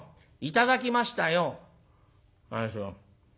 「頂きましたよ」。